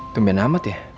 tungguin amat ya